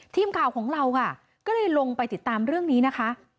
ทีมข่าวของเราค่ะก็เลยลงไปติดตามเรื่องนี้นะคะ